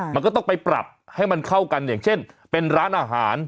มันก็ต้องไปปรับให้มันเข้ากันอย่างเช่นเป็นร้านอาหาร